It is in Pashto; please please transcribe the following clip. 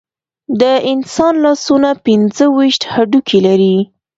د انسان لاسونه پنځه ویشت هډوکي لري.